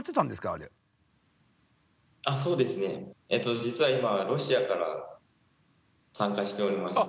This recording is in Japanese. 実は今ロシアから参加しておりまして。